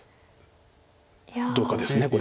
どうかです